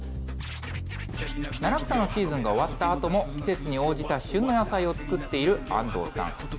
七草のシーズンが終わったあとも、季節に応じた旬の野菜を作っている安藤さん。